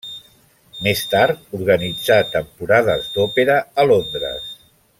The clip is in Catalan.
Més tard organitzà temporades d'òpera a Londres.